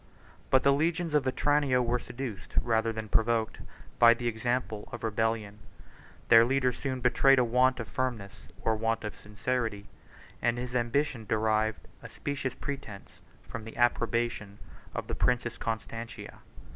But the legions of Vetranio were seduced, rather than provoked, by the example of rebellion; their leader soon betrayed a want of firmness, or a want of sincerity; and his ambition derived a specious pretence from the approbation of the princess Constantina.